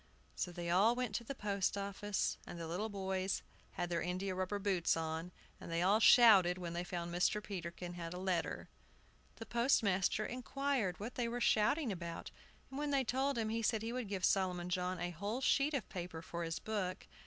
So they all went to the post office, and the little boys had their india rubber boots on, and they all shouted when they found Mr. Peterkin had a letter. The postmaster inquired what they were shouting about; and when they told him, he said he would give Solomon John a whole sheet of paper for his book.